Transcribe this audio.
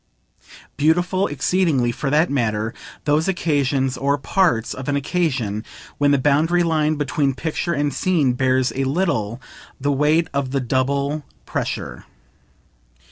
Beautiful exceedingly, for that matter, those occasions or parts of an occasion when the boundary line between picture and scene bears a little the weight of the double pressure.